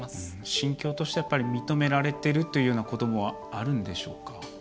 心境としてやっぱり認められているということもあるんでしょうか。